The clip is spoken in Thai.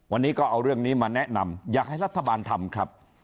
วันนี้ก็เอาเรื่องนี้มาแนะนำอยากให้รัฐบาลทำครับ